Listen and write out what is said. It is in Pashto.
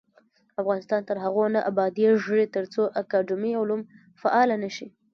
افغانستان تر هغو نه ابادیږي، ترڅو اکاډمي علوم فعاله نشي.